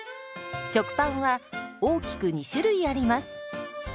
食パンは大きく２種類あります。